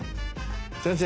先生。